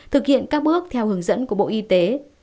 thực hiện các bước theo hướng dẫn của bộ y tế